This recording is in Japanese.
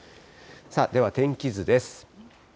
では天気図です。